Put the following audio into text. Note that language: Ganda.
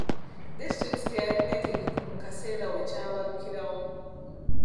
Disitulikiti teyali neetegefu mu kaseera we kyabalukirawo.